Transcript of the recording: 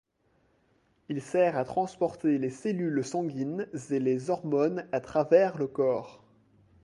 Il sert à transporter les cellules sanguines et les hormones à travers le corps.